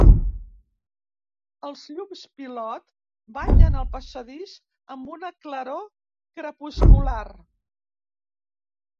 Els llums pilot banyen el passadís amb una claror crepuscular.